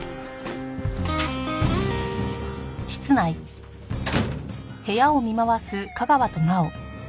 失礼します。